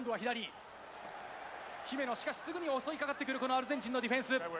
姫野、しかしすぐに襲いかかってくるアルゼンチンのディフェンス。